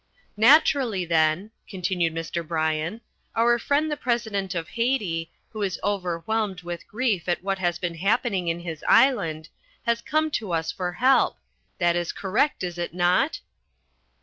"Naturally then," continued Mr. Bryan, "our friend the President of Haiti, who is overwhelmed with grief at what has been happening in his island, has come to us for help. That is correct, is it not?"